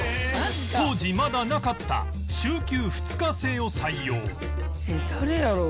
当時まだなかった週休２日制を採用